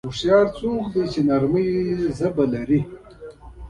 هوښیار څوک دی چې د نرمۍ ژبه لري.